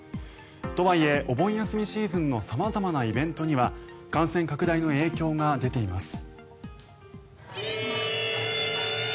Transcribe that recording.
とはいえ、お盆休みシーズンのさまざまなイベントには感染拡大の影響が出ています。